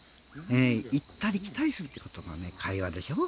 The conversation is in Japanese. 行ったり来たりするということが会話でしょう。